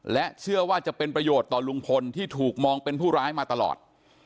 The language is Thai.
และเชื่อว่าจะเป็นประโยชน์ต่อลุงพลที่ถูกมองเป็นผู้ร้ายมาตลอด